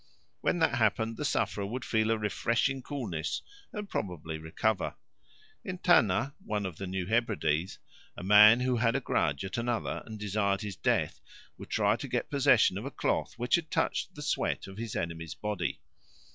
When that happened, the sufferer would feel a refreshing coolness and probably recover. In Tanna, one of the New Hebrides, a man who had a grudge at another and desired his death would try to get possession of a cloth which had touched the sweat of his enemy's body.